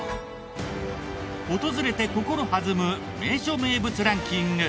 訪れて心はずむ名所・名物ランキング。